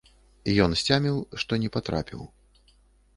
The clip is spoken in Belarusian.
Ён сцяміў, што не патрапіў.